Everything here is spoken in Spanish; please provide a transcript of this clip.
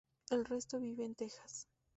El resto vive en Texas.